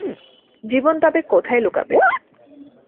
জীবন তবে কোথায় লুকাবে?